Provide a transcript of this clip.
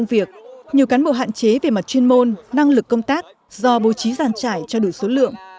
nhiều cán bộ hạn chế về mặt chuyên môn năng lực công tác do bố trí giàn trải cho đủ số lượng